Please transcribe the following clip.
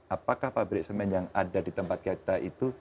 apakah pabrik semen yang ada di tempat kita itu